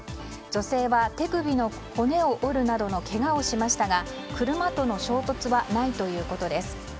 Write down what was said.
女性は手首の骨を折るなどのけがをしましたが車との衝突はないということです。